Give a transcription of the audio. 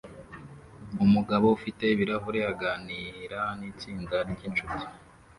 Umugabo ufite ibirahure aganira nitsinda ryinshuti